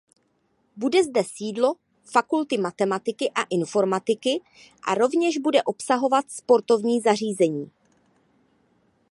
Bude zde sídlo fakulty matematiky a informatiky a rovněž bude obsahovat sportovní zařízení.